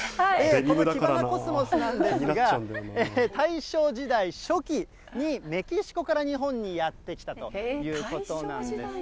このキバナコスモスなんですが、大正時代初期にメキシコから日本にやって来たということなんです。